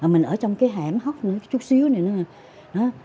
mình ở trong cái hẻm hốc chút xíu này